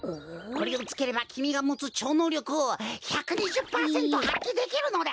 これをつければきみがもつちょうのうりょくを１２０パーセントはっきできるのだ！